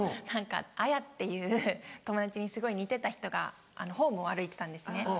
何かアヤっていう友達にすごい似てた人がホームを歩いてたんですね。